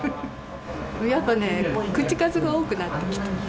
やっぱね、口数が多くなってきた。